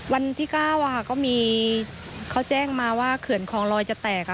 วันที่๙ก็มีเขาแจ้งมาว่าเขื่อนคลองลอยจะแตก